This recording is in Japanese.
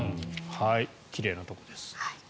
奇麗なところです。